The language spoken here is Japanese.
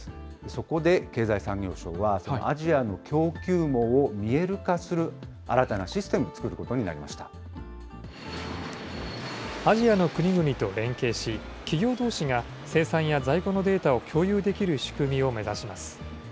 そこで経済産業省は、アジアの供給網を見える化する新たなシステム、作ることアジアの国々と連携し、企業どうしが生産や在庫のデータを共有できる仕組みを目指します。